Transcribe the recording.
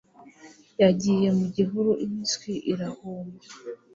yagiye mu gihuru impyisi irahuma